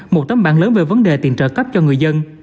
một tấm bản lớn về vấn đề tiền trợ cấp cho người dân